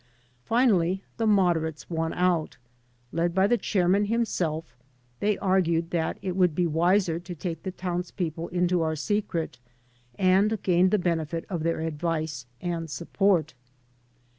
Finally the moderates won out. Led by the chairman himself, they argued that it would be wiser to take the townspeople into our secret, and gain the benefit of their advice and support.